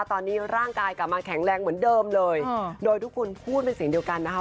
ตอนนี้ร่างกายกลับมาแข็งแรงเหมือนเดิมเลยโดยทุกคนพูดเป็นเสียงเดียวกันนะคะ